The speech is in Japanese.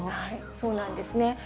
そうなんですね。